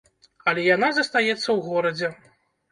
Але яна застаецца ў горадзе.